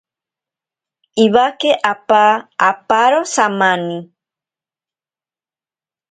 Iwake apa aparo samani.